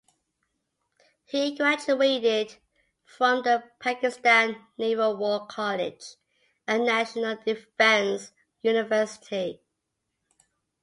He graduated from the Pakistan Naval War College and National Defence University.